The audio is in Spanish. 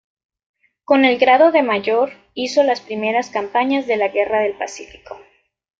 Con el grado de mayor, hizo las primeras campañas de la Guerra del Pacífico.